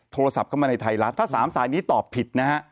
โทรศัพท์เข้ามาในไทยรัฐถ้า๓สายนี้ตอบผิดนะฮะ